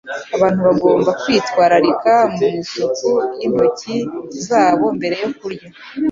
abantu bagomba kwitwararika ku isuku y'intoki zabo mbere yo kurya